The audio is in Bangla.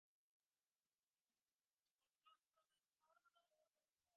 আপনি যখন ক্লাস নাইনের ছাত্র তখন আপনার বাবা মারা যান।